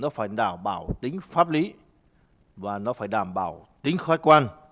nó phải đảm bảo tính pháp lý và nó phải đảm bảo tính khách quan